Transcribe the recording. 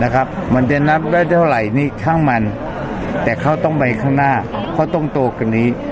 มันจะนับได้เท่าไหร่นี่ข้างมันแต่เขาต้องไปข้างหน้าเขาต้องโตกว่านี้